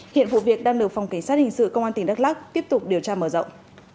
hiện vụ việc đang được phòng cảnh sát hình sự công an tỉnh đắk lắc tiếp tục điều tra mở rộng